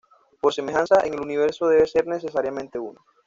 Por semejanza, en el universo debe ser necesariamente uno.